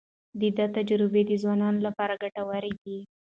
د ده تجربې د ځوانانو لپاره ګټورې دي.